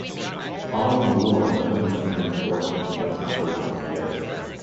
Following the war, the Huntington's fortunes turned upward once again.